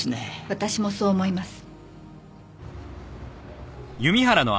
私もそう思います。